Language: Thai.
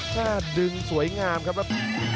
หน้าดึงสวยงามครับ